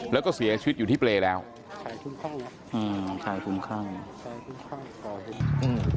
แล้วก็เสียชีวิตอยู่ที่เปลยแล้วอืมใครทุ่มข้างใครทุ่มข้างอืม